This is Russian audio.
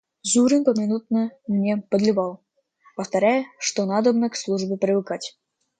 Зурин поминутно мне подливал, повторяя, что надобно к службе привыкать.